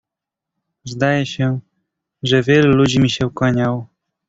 "Zdaje się, że wielu ludzi mi się kłaniało."